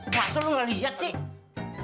kasar lu gak liat sih